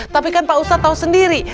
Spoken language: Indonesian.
tapi kan pak ustadz tahu sendiri